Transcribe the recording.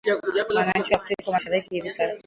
Wananchi wa Afrika Mashariki hivi sasa